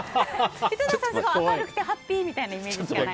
井戸田さんはいつも明るくてハッピーみたいなイメージしかない。